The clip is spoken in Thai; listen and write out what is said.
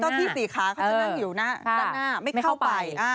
เจ้าที่ศรีคาเขาจะนั่งอยู่หน้าประตูไม่เข้าไป